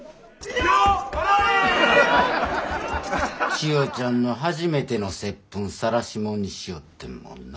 千代ちゃんの初めてのせっぷんさらしもんにしよってんもんな。